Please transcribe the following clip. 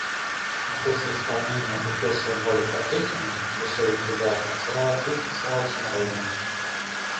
а после исполнения Утесовым роли Потехина в "Веселых ребятах" слава артиста стала всенародной.